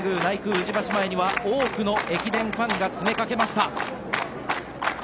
宇治橋前には多くの駅伝ファンが詰めかけました。